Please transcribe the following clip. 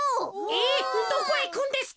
えどこいくんですか？